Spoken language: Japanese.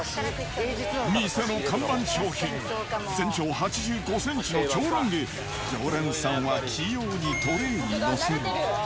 店の看板商品、全長８５センチの超ロング、常連さんは器用にトレーに載せる。